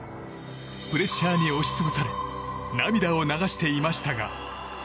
プレッシャーに押しつぶされ涙を流していましたが。